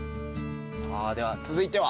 さあでは続いては？